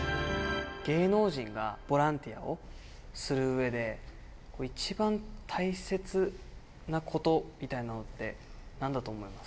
芸能人がボランティアをするうえで、一番大切なことみたいなのって、なんだと思います？